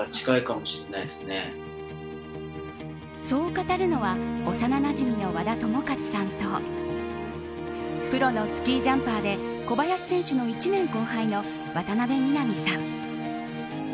そう語るのは幼なじみの和田全功さんとプロのスキージャンパーで小林選手の１年後輩の渡邉陽さん。